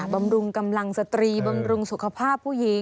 บำรุงกำลังสตรีบำรุงสุขภาพผู้หญิง